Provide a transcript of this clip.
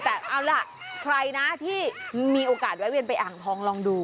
โถ่ละใครนะที่มีโอกาสไว้เวียนไปหน่อยอ่างท้องลองดู